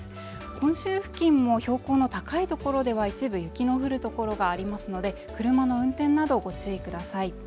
本州付近も標高の高い所では一部雪の降る所がありますので車の運転などご注意ください